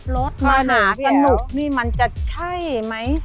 รถมหาสนุกนี่มันจะใช่ไหม